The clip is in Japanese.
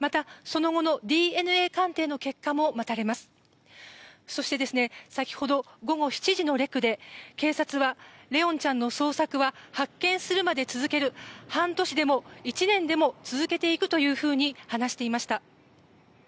そして、先ほど午後７時のレクで警察は、怜音ちゃんの捜索は発見するまで続ける半年でも１年でも続けていくというふうに話していました。